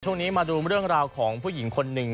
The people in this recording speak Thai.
ช่วงนี้มาดูเรื่องราวของผู้หญิงคนหนึ่ง